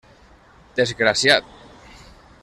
Desgraciat!